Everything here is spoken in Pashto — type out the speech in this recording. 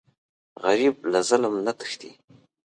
غریب له ظلم نه تښتي